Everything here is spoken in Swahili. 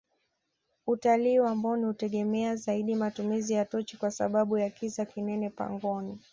utalii wa amboni hutegemea zaidi matumizi ya tochi kwa sababu ya kiza kinene pangoni